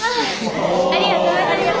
ありがとうございます。